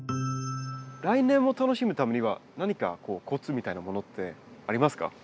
来年も楽しむためには何かコツみたいなものってありますか？